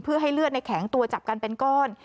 เพื่อให้เลือดในแข็งตัวจับกันเป็นก้อน